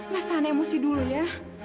mas tahan emosi dulu ya